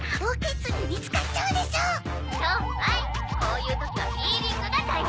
こういう時はフィーリングが大事！」